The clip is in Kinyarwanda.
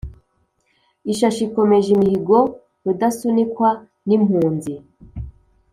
Ishashi ikomeje imihigo Rudasunikwa n’ impunzi